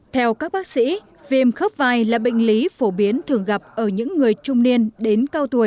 theo các bác sĩ viêm khớp vai là bệnh lý phổ biến thường gặp ở những người trung niên đến cao tuổi